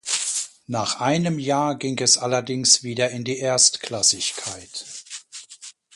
Nach einem Jahr ging es allerdings wieder in die Erstklassigkeit.